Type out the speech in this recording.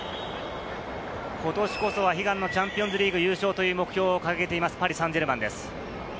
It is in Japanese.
ことしこそは悲願のチャンピオンズリーグ優勝という目標を掲げています、パリ・サンジェルマンです。